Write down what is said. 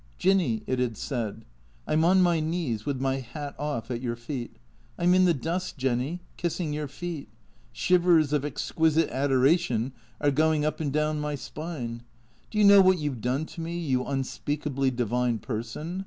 " Jinny," it had said, " I 'm on my knees, with my hat off, at your feet. I 'm in the dust, Jenny, kissing your feet. Shiv ers of exquisite adoration are going up and down my spine. Do you know what you 've done to me, you unspeakably divine person?